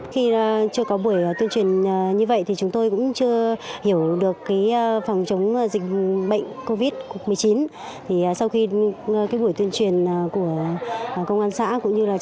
khi chưa có buổi tuyên truyền như vậy thì chúng tôi cũng chưa hiểu được phòng chống dịch bệnh covid một mươi chín